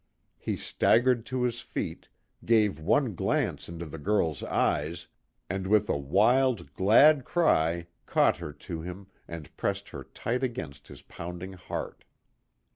He staggered to his feet, gave one glance into the girl's eyes, and with a wild, glad cry caught her to him and pressed her tight against his pounding heart.